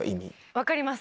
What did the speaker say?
分かります。